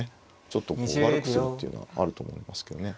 ちょっとこう悪くするっていうのはあると思いますけどね。